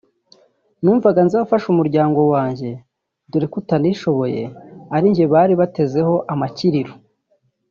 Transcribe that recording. numvaga nzafasha umuryango wanjye dore ko utanishoboye ari njye bari batezeho amakiriro